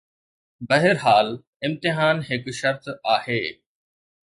بهرحال، امتحان هڪ شرط آهي.